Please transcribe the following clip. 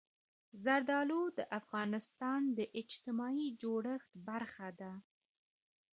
زردالو د افغانستان د اجتماعي جوړښت برخه ده.